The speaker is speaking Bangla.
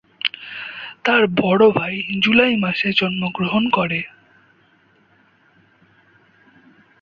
তার বড় ভাই জুলাই মাসে জন্মগ্রহণ করে।